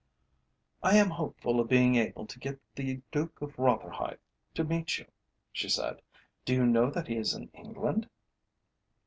"I am hopeful of being able to get the Duke of Rotherhithe to meet you," she said. "Do you know that he is in England?"